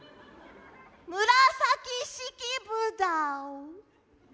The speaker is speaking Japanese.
紫式部だお。